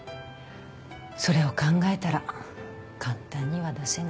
それを考えたら簡単には出せない。